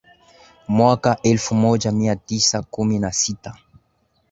mwaka elfu moja mia tisa kumi na sita